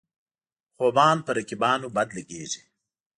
خوبان پر رقیبانو بد لګيږي.